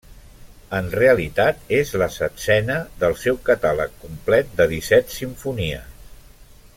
En realitat és la setzena del seu catàleg complet de disset simfonies.